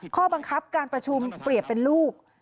ข้อบังคับการประชุมเปรียบเป็นลูก